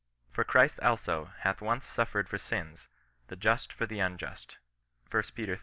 For Christ also hath once suffered for sins, the just for the unjust." lb. iii.